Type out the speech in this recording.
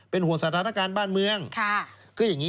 เป็นห่วงสถานการณ์บ้านเมือง